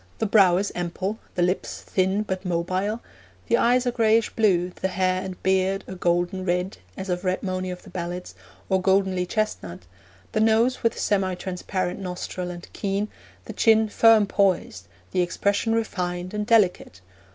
The brow is ample, the lips thin but mobile, the eyes a grayish blue, the hair and beard a golden red (as of "red monie" of the ballads) or goldenly chestnut, the nose with semi transparent nostril and keen, the chin firm poised, the expression refined and delicate.